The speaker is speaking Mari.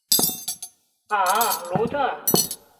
А-а, лудо!